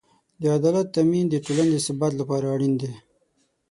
د عدالت تأمین د ټولنې د ثبات لپاره اړین دی.